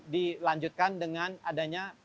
dilanjutkan dengan adanya